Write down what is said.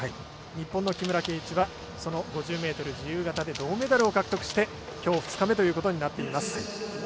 日本の木村敬一はその５０ｍ自由形で銅メダルを獲得してきょう２日目ということになっています。